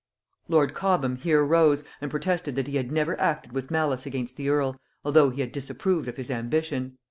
Lord Cobham here rose, and protested that he had never acted with malice against the earl, although he had disapproved of his ambition.